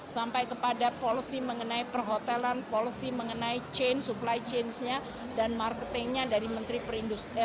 sampai kepada polisi mengenai perhotelan polisi mengenai supply chain nya dan marketing nya dari menteri perindustri